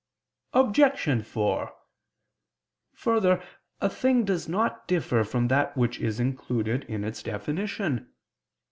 Obj. 4: Further, a thing does not differ from that which is included in its definition.